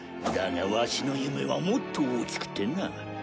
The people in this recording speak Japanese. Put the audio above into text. だがワシの夢はもっと大きくてな。